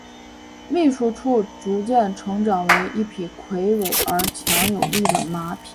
秘书处逐渐成长为一匹魁伟且强而有力的马匹。